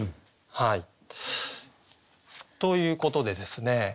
ということでですね